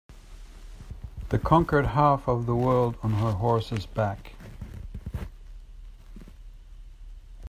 The conquered half of the world on her horse's back.